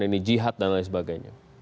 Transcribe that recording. ini jihad dan lain sebagainya